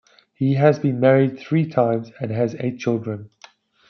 He has been married three times and has eight children.